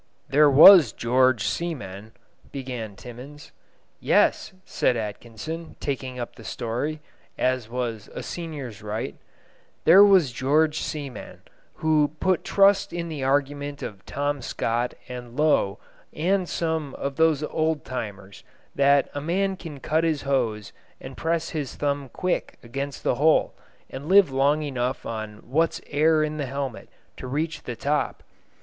"There was George Seaman " began Timmans. "Yes," said Atkinson, taking up the story, as was a senior's right, "there was George Seaman, who put trust in the argument of Tom Scott and Low and some of those old timers, that a man can cut his hose and press his thumb quick against the hole and live long enough on what air's in the helmet to reach the top.